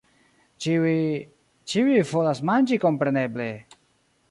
Ĉiuj... ĉiuj volas manĝi kompreneble!